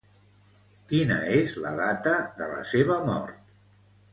Quina és la data de la seva mort?